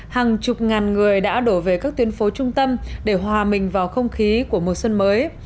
hàng chục ngàn người đã đổ về các tuyến phố trung tâm để hòa mình vào không khí của mùa xuân mới